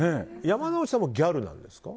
山之内さんもギャルなんですか？